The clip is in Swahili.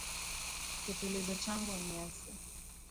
Kitulizo changu ni Yesu.